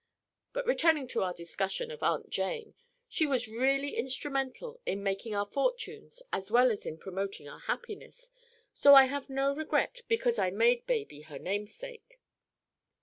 But returning to our discussion of Aunt Jane. She was really instrumental in making our fortunes as well as in promoting our happiness, so I have no regret because I made baby her namesake."